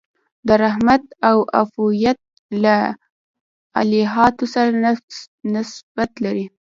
د رحمت او عطوفت له الهیاتو سره نسبت لري.